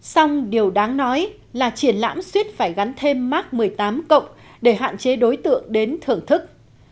xong điều đáng nói là triển lãm suyết phải gắn thêm mark một mươi tám cộng để hạn chế đối tượng đến thưởng thức